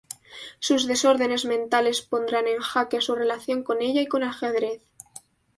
Sus desórdenes mentales pondrán en jaque su relación con ella y con el ajedrez.